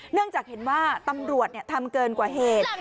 เนื่องจากเห็นว่าตำรวจทำเกินกว่าเหตุ